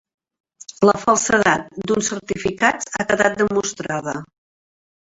La falsedat d'uns certificats ha quedat demostrada.